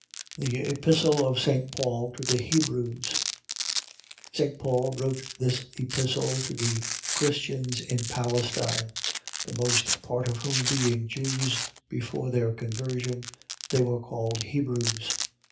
THE EPISTLE OF ST. PAUL TO THE HEBREWS St. Paul wrote this Epistle to the Christians in Palestine, the most part of whom being Jews before their conversion, they were called Hebrews.